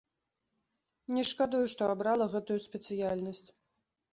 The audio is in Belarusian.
Не шкадую, што абрала гэтую спецыяльнасць.